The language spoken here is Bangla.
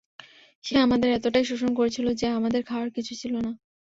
সে আমাদের এতটাই শোষণ করেছিল যে আমাদের খাওয়ার কিছুই ছিল না।